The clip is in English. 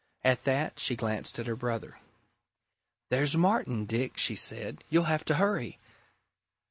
At that, she glanced at her brother. "There's Martin, Dick!" she said. "You'll have to hurry."